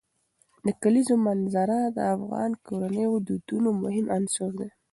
د کلیزو منظره د افغان کورنیو د دودونو مهم عنصر دی.